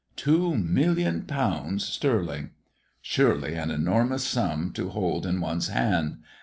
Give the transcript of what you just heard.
Two million pounds sterling! Surely an enormous sum to hold in one's hand.